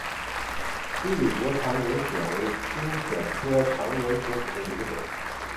西里伯长喙藓为青藓科长喙藓属下的一个种。